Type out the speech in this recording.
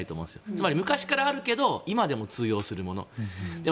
つまり昔からあるけど今も通用するもの。